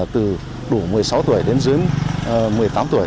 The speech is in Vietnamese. từ đủ một mươi sáu tuổi đến dưới một mươi tám tuổi